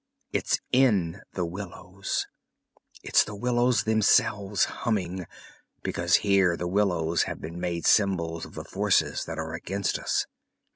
It's in the willows. It's the willows themselves humming, because here the willows have been made symbols of the forces that are against us."